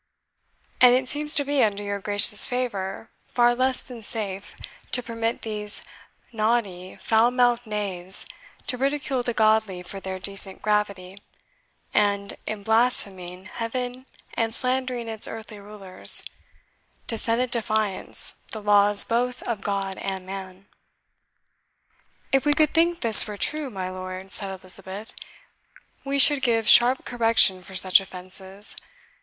And it seems to be, under your Grace's favour, far less than safe to permit these naughty foul mouthed knaves to ridicule the godly for their decent gravity, and, in blaspheming heaven and slandering its earthly rulers, to set at defiance the laws both of God and man." "If we could think this were true, my lord," said Elizabeth, "we should give sharp correction for such offences.